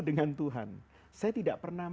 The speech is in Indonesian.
dengan tuhan saya tidak pernah